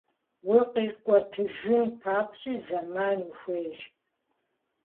УкъикӀуэтыжын папщӀи зэман ухуейщ.